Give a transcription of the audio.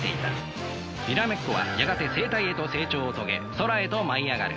にらめっこはやがて成体へと成長を遂げ空へと舞い上がる。